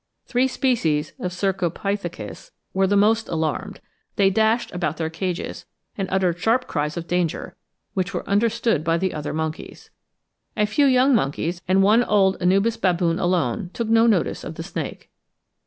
Three species of Cercopithecus were the most alarmed; they dashed about their cages, and uttered sharp signal cries of danger, which were understood by the other monkeys. A few young monkeys and one old Anubis baboon alone took no notice of the snake.